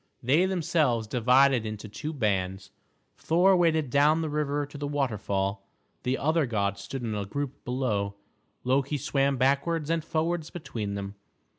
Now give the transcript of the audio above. They themselves divided into two bands. Thor waded down the river to the waterfall; the other gods stood in a group below. Loki swam backwards and forwards between them.